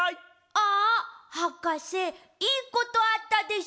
あっはかせいいことあったでしょ？